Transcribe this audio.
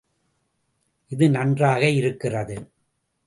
இது நன்றாக இருக்கிறது.